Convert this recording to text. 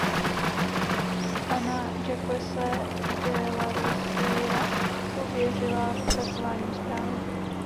Pana Jacquese de Larosièra pověřila vypracováním zprávy.